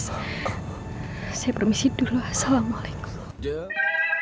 saya permisi dulu assalamualaikum